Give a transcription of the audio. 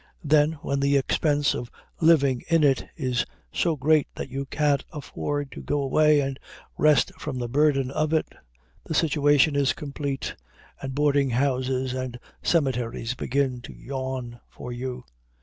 Then, when the expense of living in it is so great that you can't afford to go away and rest from the burden of it, the situation is complete and boarding houses and cemeteries begin to yawn for you.